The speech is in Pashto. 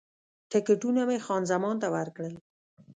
ټکټونه مې خان زمان ته ورکړل.